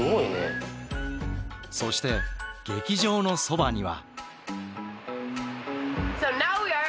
そして劇場のそばには。